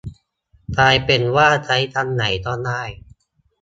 กลายเป็นว่า ใช้คำไหนก็ได้